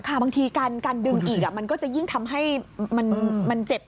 บางทีการดึงอีกมันก็จะยิ่งทำให้มันเจ็บ